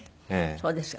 そうですか。